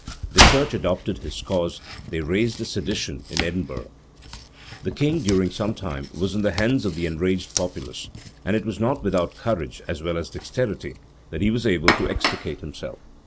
The church adopted his cause. They raised a sedition in Edinburgh.[] * Spotswood. 1596. 17th Dec. 1596. The king, during some time, was in the hands of the enraged populace; and it was not without courage, as well as dexterity, that he was able to extricate himself.